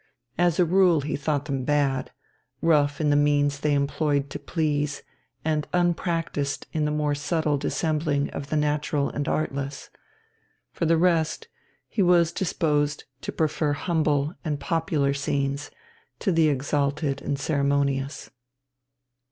As a rule he thought them bad, rough in the means they employed to please, and unpractised in the more subtle dissembling of the natural and artless. For the rest, he was disposed to prefer humble and popular scenes to the exalted and ceremonious.